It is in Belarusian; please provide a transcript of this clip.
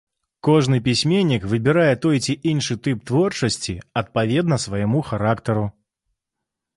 Кожны пісьменнік выбірае той ці іншы тып творчасці адпаведна свайму характару.